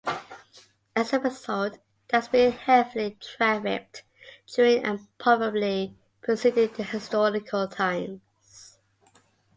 As a result, it has been heavily trafficked during and probably preceding historical times.